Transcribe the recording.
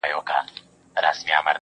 د جمالیاتو په برخه کې